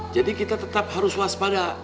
jadi kita tetap harus waspada